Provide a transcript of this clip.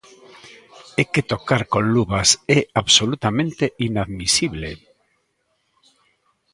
¡É que tocar con luvas é absolutamente inadmisible!